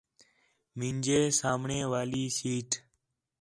مینجے سامݨے والی سیٹ